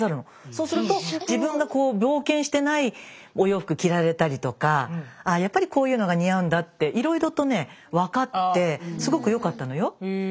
そうすると自分が冒険してないお洋服着られたりとかやっぱりこういうのが似合うんだっていろいろとね分かってすごく良かったのよ。